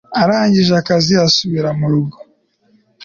Arangije akazi asubira mu rugo